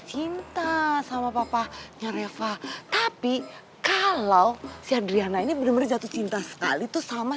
cinta sama papahnya reva tapi kalau si adriana ini bener bener jatuh cinta sekali tuh sama